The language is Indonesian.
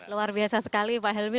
luar biasa sekali pak helmi